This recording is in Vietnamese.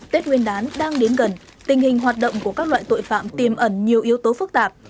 tết nguyên đán đang đến gần tình hình hoạt động của các loại tội phạm tiềm ẩn nhiều yếu tố phức tạp